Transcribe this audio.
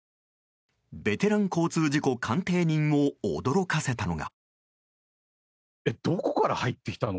ベテラン交通事故鑑定人を驚かせたのが。